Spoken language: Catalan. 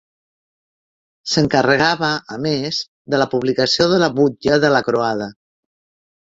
S'encarregava, a més, de la publicació de la butlla de la Croada.